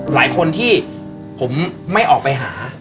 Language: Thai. หลายคนที่ผมไม่ออกไปหา